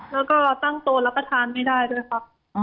แล้วก็ตั้งตัวรับประทานไม่ได้ด้วยครับ